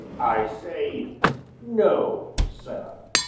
"I say no sir!"